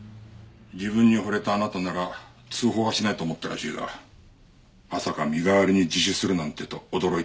自分に惚れたあなたなら通報はしないと思ったらしいがまさか身代わりに自首するなんてと驚いてた。